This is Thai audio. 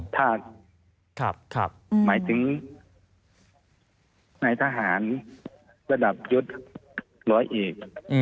ถ้าหมายถึงนายทหารระดับยศร้อยเอก